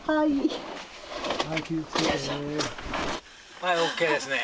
はいＯＫですね。